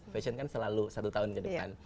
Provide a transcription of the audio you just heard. fashion kan selalu satu tahun ke depan